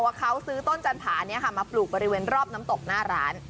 และสื้อต้นการ์ฟชันผามาปลูกบริเวณรอบน้ำตกหน้าร้าน